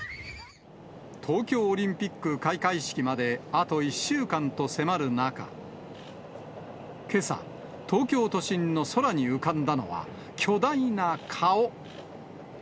東京オリンピック開会式まであと１週間と迫る中、けさ、東京都心の空に浮かんだのは、巨大な顔。